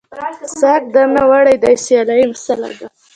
ساګ درنه وړی دی سیلۍ سالکه